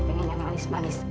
pengen yang manis manis